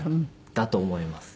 だと思います。